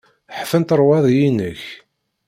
Ḥfant rrwaḍi-inek.